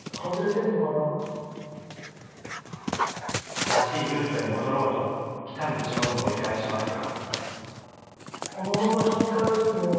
正しいルートへ戻ろうと来た道を登り返しますが。